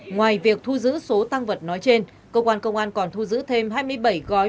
ngoài việc thu giữ số tăng vật nói trên công an tp hcm còn thu giữ thêm hai mươi bảy gói ma túy